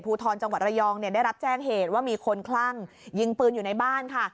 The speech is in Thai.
ภูทรจรยได้รับแจ้งเหตุว่ามีคนคลั่งยิงปืนอยู่ในบ้านค่ะ